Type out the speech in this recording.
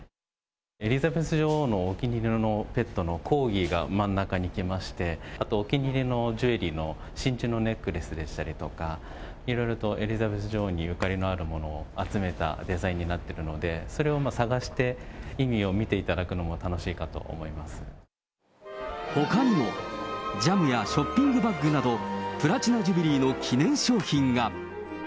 エリザベス女王のお気に入りのペットのコーギーが真ん中に来まして、あと、お気に入りのジュエリーの真珠のネックレスでしたりとか、いろいろとエリザベス女王にゆかりのあるデザインのものを集めておりますので、それを探して、意味を見ていただくのも、楽しいかほかにも、ジャムやショッピングバッグなど、プラチナ・ジュビリーの記念商品が。